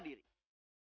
belajar bela diri